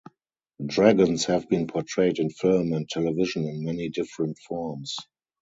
Dragons have been portrayed in film and television in many different forms.